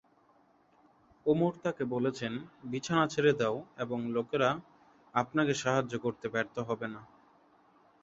উমর তাকে বললেন, "বিছানা ছেড়ে দাও এবং লোকেরা আপনাকে সাহায্য করতে ব্যর্থ হবে না।"